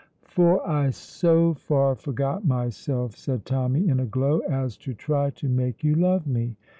"For I so far forgot myself," said Tommy, in a glow, "as to try to make you love me.